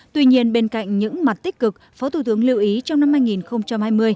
tuy nhiên bên cạnh những mặt tích cực phó thủ tướng lưu ý trong năm hai nghìn hai mươi